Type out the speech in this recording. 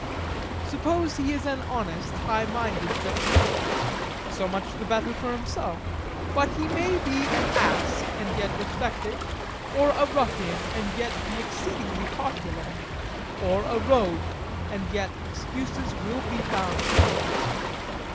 Suppose he is an honest, highminded gentleman; so much the better for himself. But he may be an ass, and yet respected; or a ruffian, and yet be exceedingly popular; or a rogue, and yet excuses will be found for him.